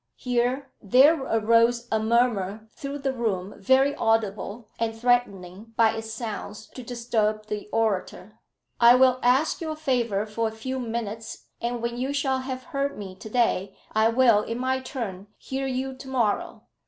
Here there arose a murmur through the room very audible, and threatening by its sounds to disturb the orator. "I will ask your favour for a few minutes; and when you shall have heard me to day, I will in my turn hear you to morrow.